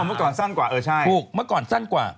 เมื่อก่อนสั้นกว่าเออใช่ถูกเมื่อก่อนสั้นกว่า